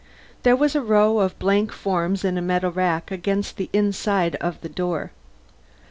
There was a row of blank forms in a metal rack against the inside of the door.